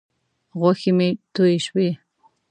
غوښې مې تویې شوې.